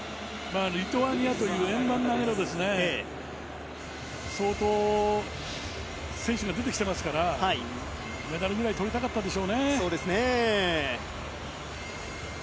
リトアニアは円盤投げでは相当選手が出てきていますから、メダルくらい取りたかったでしょ